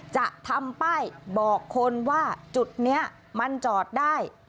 จะทำป้ายบอกคนว่าจุดนี้มันจอดได้